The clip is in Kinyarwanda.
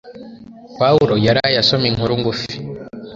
Pawulo yaraye asoma inkuru ngufi